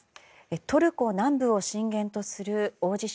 トルコ南部を震源とする大地震。